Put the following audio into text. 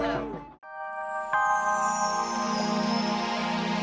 semua pada bubar ya